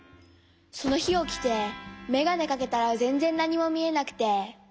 そのひおきてメガネかけたらぜんぜんなにもみえなくて。